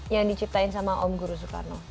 yang diciptain sama om guru soekarno